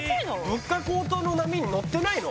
物価高騰の波に乗ってないの？